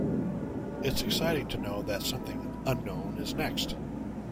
It's exciting to know that something unknown is next.